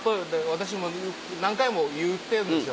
私も何回も言ってるんですよ。